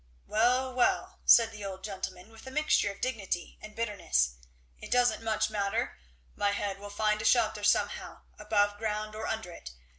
'" "Well well!" said the old gentleman, with a mixture of dignity and bitterness, "it doesn't much matter. My head will find a shelter somehow, above ground or under it.